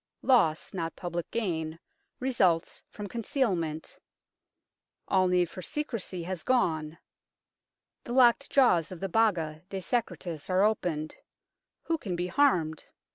Loss, not public gain, results from concealment. All need for secrecy has gone ; the locked jaws of the Baga de Secretis are opened who can be harmed